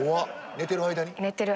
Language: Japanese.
寝てる間に。